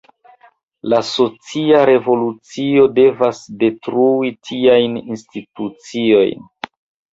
La socia revolucio devas detrui tiajn instituciojn.